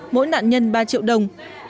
mỗi nạn nhân ba triệu đồng